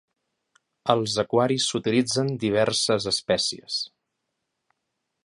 Als aquaris s'utilitzen diverses espècies.